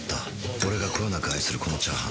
俺がこよなく愛するこのチャーハン